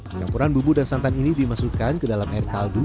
campuran bumbu dan santan ini dimasukkan ke dalam air kaldu